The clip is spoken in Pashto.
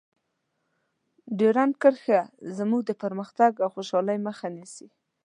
ډیورنډ کرښه زموږ د پرمختګ او خوشحالۍ مخه نیسي.